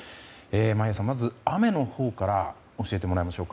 眞家さん、まず雨のほうから教えてもらいましょう。